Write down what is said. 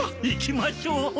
行きましょう！